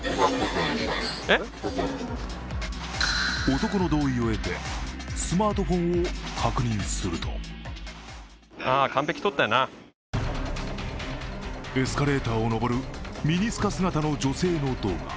男の同意を得てスマートフォンを確認するとエスカレーターを上るミニスカ姿の女性の動画。